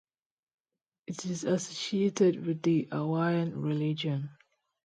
It is associated with the Hawaiian religion.